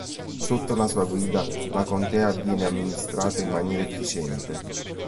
Sotto la sua guida, la contea viene amministrata in maniera efficiente.